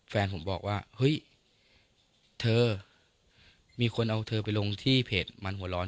แฟนผมบอกว่าเฮ้ยเธอมีคนเอาเธอไปลงที่เพจมันหัวร้อน